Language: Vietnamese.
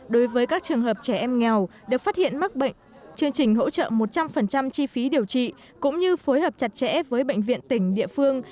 đối với các trường hợp trẻ em nghèo được phát hiện mắc bệnh chương trình hỗ trợ một trăm linh chi phí điều trị cũng như phối hợp chặt chẽ với bệnh viện tỉnh địa phương